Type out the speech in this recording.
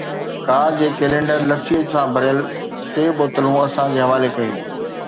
ڪار جي ڪئلينڊر لسيءَ سان ڀريل ٽي بوتلون اسان جي حوالي ڪيون